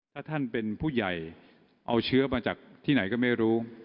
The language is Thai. ถ้าท่านเป็นผู้ใหญ่เอาเชื้อมาจากที่ไหนก็ไม่รู้